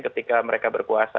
ketika mereka berkuasa